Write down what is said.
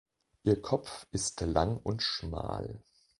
Ihr Kopf ist lang und schmal.